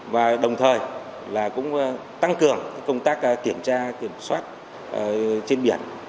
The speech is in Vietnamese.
và đồng thời cũng tăng cường công tác kiểm tra kiểm soát trên biển